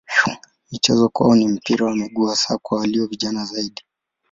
Michezo kwao ni mpira wa miguu hasa kwa walio vijana zaidi.